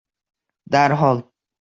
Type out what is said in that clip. Darhol